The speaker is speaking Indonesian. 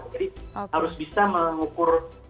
jadi harus bisa mengukur